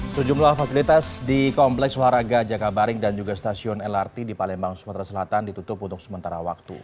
sejumlah fasilitas di kompleks olahraga jakabaring dan juga stasiun lrt di palembang sumatera selatan ditutup untuk sementara waktu